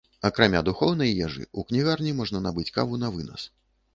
Акрамя духоўнай ежы, у кнігарні можна набыць каву навынас.